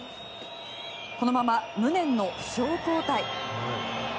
そのまま無念の負傷交代。